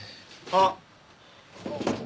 あっ。